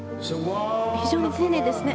非常に丁寧ですね。